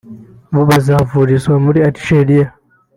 bo bazavurizwa muri Algeria